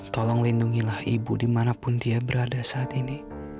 tolong lindungilah ibu dimanapun dia berada saat ini